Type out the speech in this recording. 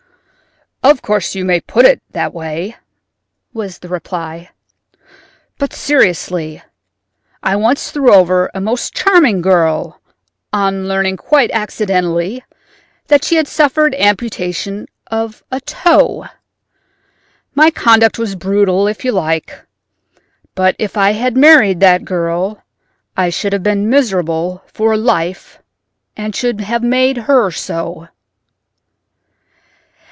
"Of course you may put it that way," was the reply; "but, seriously, I once threw over a most charming girl on learning quite accidentally that she had suffered amputation of a toe. My conduct was brutal if you like, but if I had married that girl I should have been miserable for life and should have made her so."